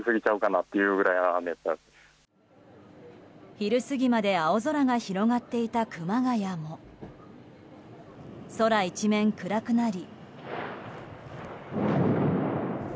昼過ぎまで青空が広がっていた熊谷も空一面、暗くなり。